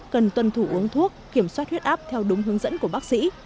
cần tuân thủ uống thuốc kiểm soát huyết áp theo đúng hướng dẫn của bác sĩ